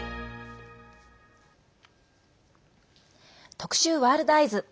特集「ワールドＥＹＥＳ」。